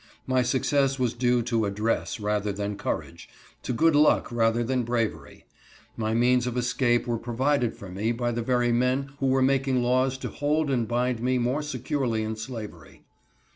My success was due to address rather than courage, to good luck rather than bravery. My means of escape were provided for me by the very men who were making laws to hold and bind me more securely in slavery.